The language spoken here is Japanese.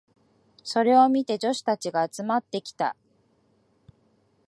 それを見て女子たちが集まってきた。